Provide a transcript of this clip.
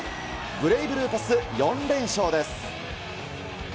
ブレイブルーパス、４連勝です。